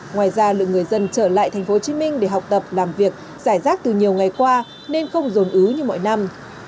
ngoài ra lượng người dân trở lại tp hcm để học tập làm việc giải rác từ nhiều ngày qua nên không dồn ứ như mọi năm